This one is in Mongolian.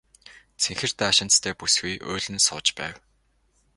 Цэнхэр даашинзтай бүсгүй уйлан сууж байв.